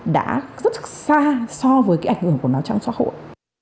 đã rất xa so với cái ảnh hưởng của nó trong xã hội